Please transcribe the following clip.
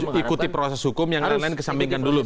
jadi ikuti proses hukum yang lain lain kesampingkan dulu begitu ya